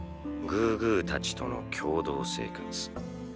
グーグーたちとの共同生活。